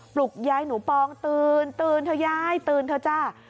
ปลุกยายหนูปองตื่นเธอยายตื่นเธอจ้า